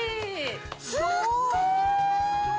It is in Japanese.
すごーい！